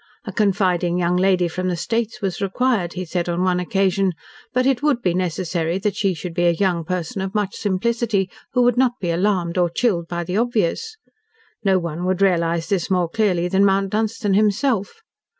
A confiding young lady from the States was required, he said on one occasion, but it would be necessary that she should be a young person of much simplicity, who would not be alarmed or chilled by the obvious. No one would realise this more clearly than Mount Dunstan himself.